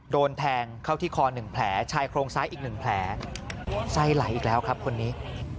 โดนแทงเข้าที่คอ๑แผลชายโครงซ้ายอีก๑แผลไส้ไหลอีกแล้วครับคนนี้